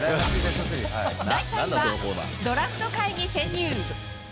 第３位は、ドラフト会議潜入。